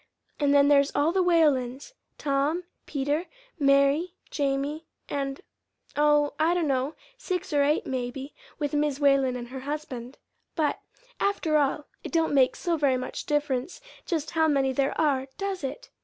And then there's all the Whalens: Tom, Peter, Mary, Jamie, and oh, I dunno, six or eight, maybe, with Mis' Whalen and her husband. But, after all, it don't make so very much diff'rence just how many there are; does it?"